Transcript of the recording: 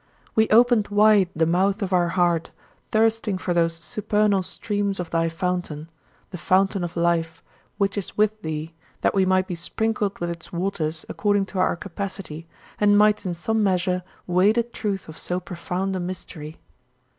We opened wide the mouth of our heart, thirsting for those supernal streams of thy fountain, "the fountain of life" which is with thee, that we might be sprinkled with its waters according to our capacity and might in some measure weigh the truth of so profound a mystery.